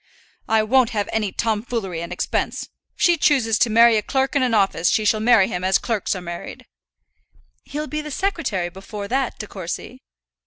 "I won't have any tomfoolery and expense. If she chooses to marry a clerk in an office, she shall marry him as clerks are married." "He'll be the secretary before that, De Courcy."